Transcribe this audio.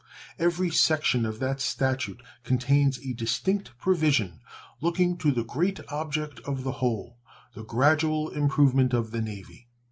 Every section of that statute contains a distinct provision looking to the great object of the whole the gradual improvement of the Navy.